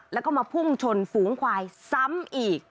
แล้วก็มาพุ่งชนฝูงควายซ้ำอีก